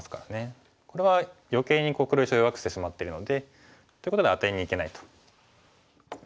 これは余計に黒石を弱くしてしまってるのでっていうことでアテにいけないと。